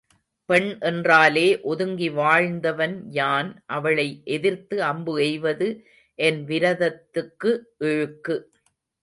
பெண் என்றாலே ஒதுங்கி வாழ்ந்தவன் யான் அவளை எதிர்த்து அம்பு எய்வது என் விரதத்துக்கு இழுக்கு.